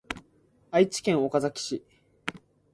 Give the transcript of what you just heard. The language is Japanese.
愛知県岡崎市